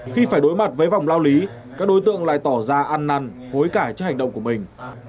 khi phải đối mặt với vòng lao lý các đối tượng lại tỏ ra ăn năn hối cải trước hành động của mình